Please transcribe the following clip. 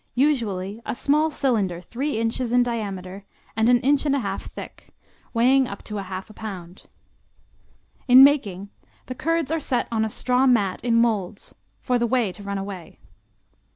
Usually a small cylinder three inches in diameter and an inch and a half thick, weighing up to a half pound. In making, the curds are set on a straw mat in molds, for the whey to run away.